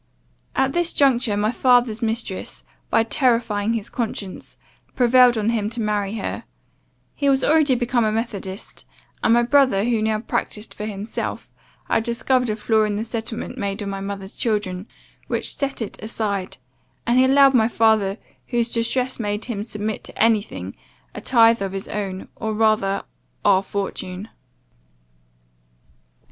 "At this juncture my father's mistress, by terrifying his conscience, prevailed on him to marry her; he was already become a methodist; and my brother, who now practised for himself, had discovered a flaw in the settlement made on my mother's children, which set it aside, and he allowed my father, whose distress made him submit to any thing, a tithe of his own, or rather our fortune.